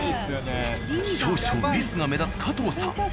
少々ミスが目立つ加藤さん。